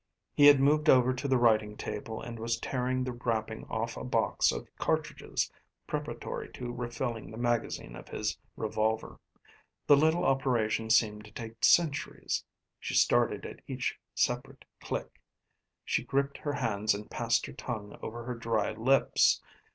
He had moved over to the writing table and was tearing the wrapping off a box of cartridges preparatory to refilling the magazine of his revolver. The little operation seemed to take centuries. She started at each separate click. She gripped her hands and passed her tongue over her dry lips.